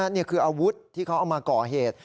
นี่คืออาวุธที่เขาเอามาก่อเหตุ